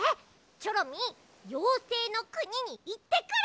チョロミーようせいのくににいってくる！